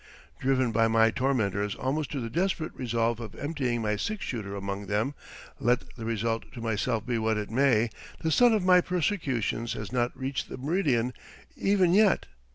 Driven by my tormentors almost to the desperate resolve of emptying my six shooter among them, let the result to myself be what it may, the sun of my persecutions has not reached the meridian even yet.